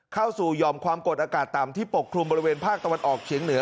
เข้าสู่ยอมความกดอากาศต่ำที่ปกคลุมบริเวณภาคตะวันออกเฉียงเหนือ